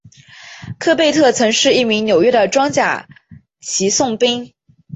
科贝特曾是一名纽约的装甲骑送兵。